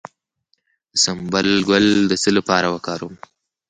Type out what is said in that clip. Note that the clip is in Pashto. د سنبل ګل د څه لپاره وکاروم؟